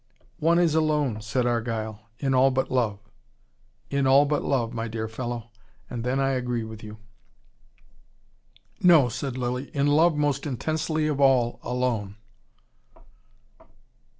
"One is alone," said Argyle, "in all but love. In all but love, my dear fellow. And then I agree with you." "No," said Lilly, "in love most intensely of all, alone."